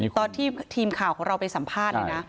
ตอนที่ทีมข่าวของเราไปสัมภาษณ์เลยนะ